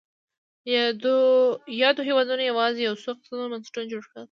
یادو هېوادونو یوازې یو څو اقتصادي بنسټونه جوړ کړل.